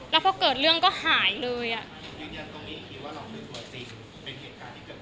เราเป็นเครื่องสบายประโยชน์